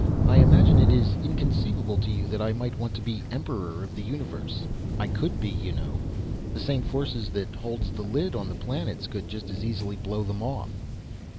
I imagine it is inconceivable to you that I might want to be Emperor of the Universe. I could be, you know. The same forces that hold the lids on the planets could just as easily blow them off."